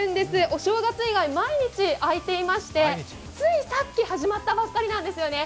お正月以外、毎日開いていましてついさっき始まったばっかりなんですよね。